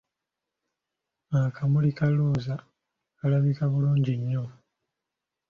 Akamuli ka Looza kalabika bulungi nnyo!